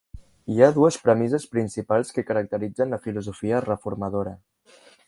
Hi ha dues premisses principals que caracteritzen la filosofia reformadora.